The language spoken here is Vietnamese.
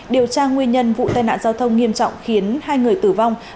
điều tra nguyên nhân vụ tai nạn giao thông nghiêm trọng khiến hai người tử vong